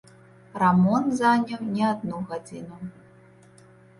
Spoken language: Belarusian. Рамонт заняў не адну гадзіну.